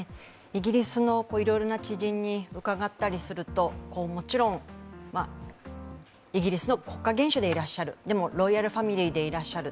イギリスのいろいろな知人に伺ったりすると、もちろん、イギリスの国家元首でいらっしゃる、でもロイヤルファミリーでいらっしゃる。